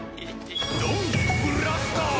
「ドンブラスター！」